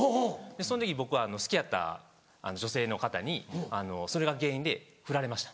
その時僕好きやった女性の方にそれが原因でふられました。